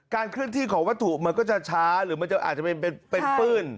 เคลื่อนที่ของวัตถุมันก็จะช้าหรือมันจะอาจจะเป็นปื้น